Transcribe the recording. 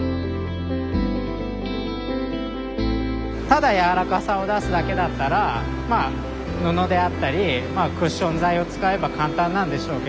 ただ柔らかさを出すだけだったらまあ布であったりクッション材を使えば簡単なんでしょうけど。